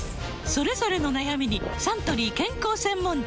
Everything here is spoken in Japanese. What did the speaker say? それぞれの悩みにサントリー健康専門茶